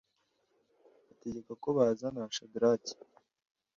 ategeka ko bazana Shadaraki